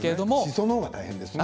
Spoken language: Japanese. しその方が大変ですよ。